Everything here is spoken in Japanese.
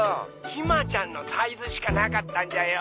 「ひまちゃんのサイズしかなかったんじゃよ」